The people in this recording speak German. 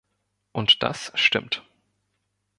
Und das stimmt.